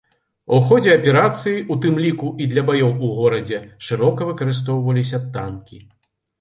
У ходзе аперацыі, у тым ліку і для баёў ў горадзе, шырока выкарыстоўваліся танкі.